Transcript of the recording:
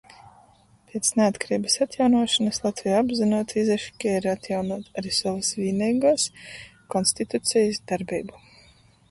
Piec naatkareibys atjaunuošonys Latveja apzynuoti izaškeire atjaunuot ari sovys vīneiguos konstitucejis darbeibu.